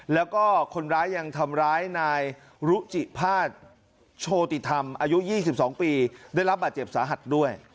แล้วก็คนร้ายยังทำร้ายนายรุจิภาษโชติธรรมอายุ๒๒ปีได้รับบาดเจ็บสาหัสด้วย